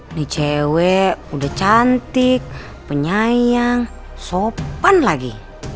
ini cewek udah cantik penyayang sopan lagi